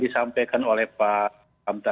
disampaikan oleh pak sukamta